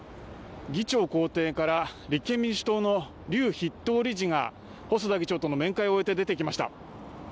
議長公邸から立憲民主党の笠筆頭理事が細田議長との面会を終えて出てきました